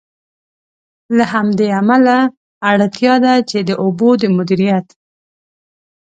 له همدې امله، اړتیا ده چې د اوبو د مدیریت.